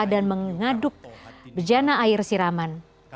dan mengaduk bejana air siraman